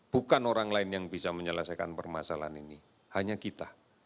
bukan orang lain yang bisa menyelesaikan permasalahan ini hanya kita